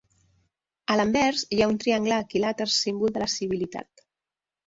A l'anvers hi ha un triangle equilàter símbol de la civilitat.